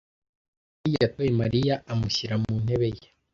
kigeli yatoye Mariya amushyira mu ntebe ye.